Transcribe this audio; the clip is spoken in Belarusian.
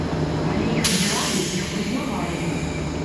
Але іх абіралі, іх прызнавалі.